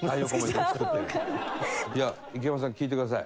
いや池上さん聞いてください。